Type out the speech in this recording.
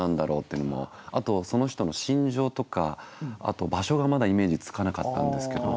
あとその人の心情とかあと場所がまだイメージつかなかったんですけど。